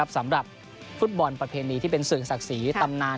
สำหรับฟุตบอลประเพณีที่เป็นศึกษักษีตำนานทุกอย่าง